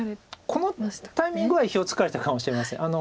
このタイミングは意表をつかれたかもしれません。